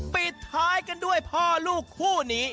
ปิดท้ายกันด้วยพ่อลูกคู่นี้